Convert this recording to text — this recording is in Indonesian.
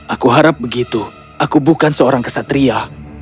aku harap begitu aku bukan seorang kesatria